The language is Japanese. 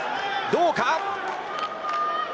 どうか。